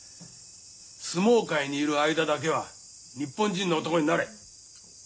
相撲界にいる間だけは日本人の男になれ。